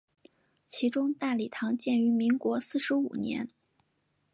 其中大礼堂建于民国四十五年。